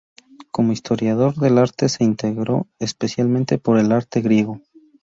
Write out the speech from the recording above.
Como historiador del arte se interesó especialmente por el arte griego.